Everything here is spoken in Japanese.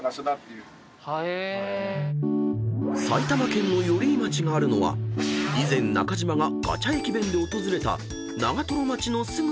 ［埼玉県の寄居町があるのは以前中島がガチャ駅弁で訪れた長瀞町のすぐ隣］